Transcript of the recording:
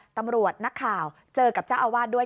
ตำรวจนักข่าวเจอกับเจ้าอาวาสด้วย